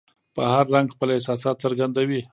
په هر رنګ خپل احساسات څرګندوي.